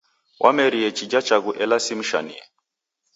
Wamerie chija chaghu ela simshanie.